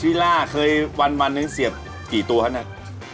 ชีวิตร่าเคยวันนึงเสียบกี่ตัวค่ะอันนั้น